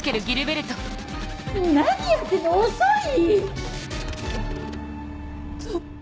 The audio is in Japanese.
何やってんの遅い！